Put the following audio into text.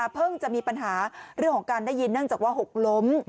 เพิ่งจะมีปัญหาเรื่องของการได้ยินเนื่องจากว่าหกล้ม